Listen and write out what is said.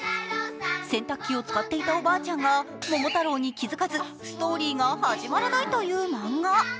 洗濯機を使っていたおばあちゃんが桃太郎に気づかず、ストーリーが始まらないという漫画。